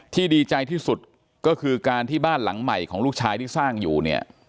ดีใจที่สุดก็คือการที่บ้านหลังใหม่ของลูกชายที่สร้างอยู่เนี่ย